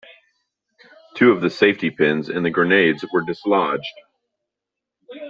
Two of the safety pins in the grenades were dislodged.